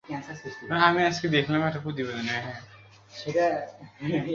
আমরা খুঁজে বের করব।